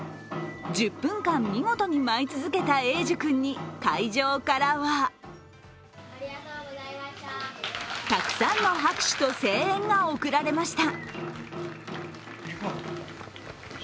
１０分間、見事に舞い続けた栄樹君に会場からはたくさんの拍手と声援が送られました。